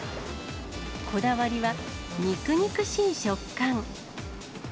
こだわりは肉々しい食感。